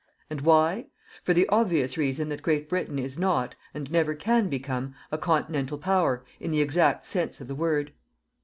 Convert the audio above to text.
And why? For the obvious reason that Great Britain is not, and never can become, a continental Power, in the exact sense of the word.